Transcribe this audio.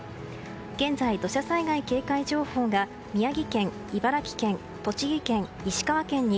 現在、土砂災害警戒情報が宮城県、茨城県、栃木県石川県に。